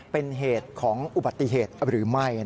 เป็นเหตุของอุบัติเหตุหรือไม่